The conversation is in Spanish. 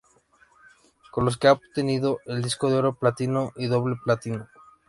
Con los que ha obtenido el Disco de Oro, Platino y doble Platino.